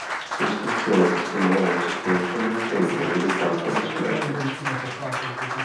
L'iscrizione testimonia l'esistenza di un tempio dedicato ad Asclepio.